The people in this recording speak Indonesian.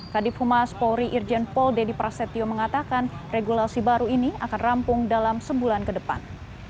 kadif humas polri irjen pol dedy prasetyo mengatakan regulasi baru ini akan rampung dalam sebulan ke depan